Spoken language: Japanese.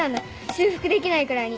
修復できないくらいに。